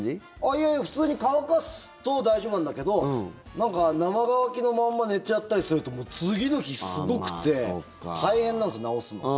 いやいや普通に乾かすと大丈夫なんだけどなんか生乾きのまま寝ちゃったりすると次の日、すごくて大変なんです、直すの。